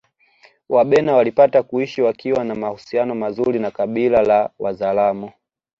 Wabena walipata kuishi wakiwa na mahusiano mazuri na kabila la Wazaramo